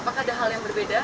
apakah ada hal yang berbeda